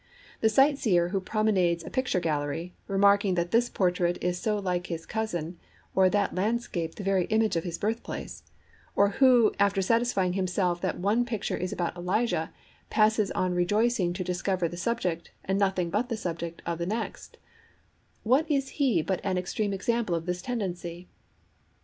The sightseer who promenades a picture gallery, remarking that this portrait is so like his cousin, or that landscape the very image of his birthplace, or who, after satisfying himself that one[Pg 14] picture is about Elijah, passes on rejoicing to discover the subject, and nothing but the subject, of the next—what is he but an extreme example of this tendency?